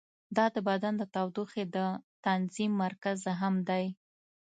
دا د بدن د تودوخې د تنظیم مرکز هم دی.